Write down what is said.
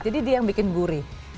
jadi dia yang bikin gurih